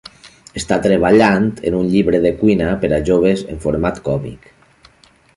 Està treballant en un llibre de cuina per a joves en format còmic.